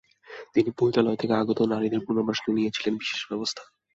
তিনি পতিতালয় থেকে আগত নারীদের পুনর্বাসনে নিয়েছিলেন বিশেষ ব্যবস্থা।